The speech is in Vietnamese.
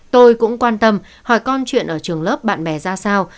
tôi cũng quan tâm hỏi con chuyện ở trường lớp bạn bè ra sao